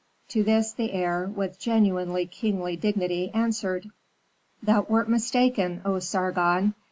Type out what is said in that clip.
To this the heir, with genuine kingly dignity, answered, "Thou wert mistaken, O Sargon.